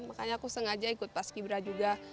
makanya aku sengaja ikut paskibra juga